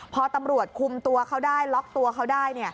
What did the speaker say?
พอตำรวจคุมตัวเขาได้ล็อกตัวเขาได้